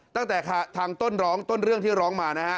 ตั้งแต่ทางต้นร้องต้นเรื่องที่ร้องมานะฮะ